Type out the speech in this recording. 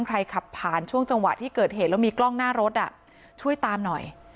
ใครขับผ่านช่วงจังหวะที่เกิดเหตุแล้วมีกล้องหน้ารถช่วยตามหน่อย